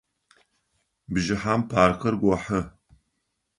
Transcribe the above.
Бжыхьэм паркыр гохьы.